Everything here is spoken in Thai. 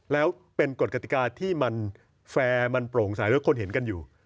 แล้วเป็นกฎกติกาที่มันแฟร์มันโปร่งใสด้วยคนเห็นกันอยู่